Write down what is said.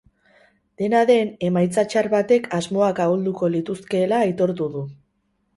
Dena den, emaitza txar batek asmoak ahulduko lituzkeela aitortu du.